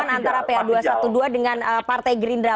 antara pa dua ratus dua belas dengan partai gerindra